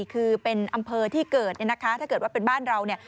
คือเป็นอำเภอที่เกิดถ้าเกิดว่าเป็นบ้านเรา